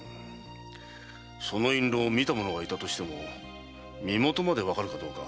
その印籠を見た者がいたとしても身元までわかるかどうか。